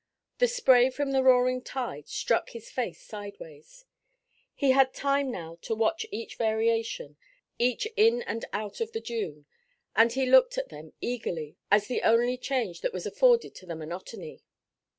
The spray from the roaring tide struck his face sideways. He had time now to watch each variation, each in and out of the dune, and he looked at them eagerly, as the only change that was afforded to the monotony.